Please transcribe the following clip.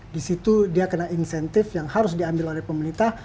di situ dia kena insentif yang harus diambil oleh pemerintah